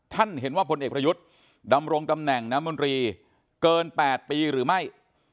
ท่านเห็นว่าพลเอกประยุทธ์ดำรงตำแหน่งน้ำมนตรีเกิน๘ปีหรือไม่